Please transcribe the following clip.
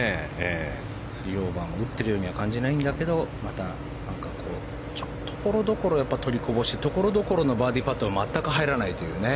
３オーバーのようには感じないんだけどところどころ取りこぼしてところどころのバーディーパットが全く入らないという。